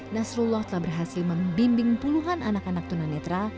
nasrullah telah berhasil membimbing puluhan anak anak tunanetra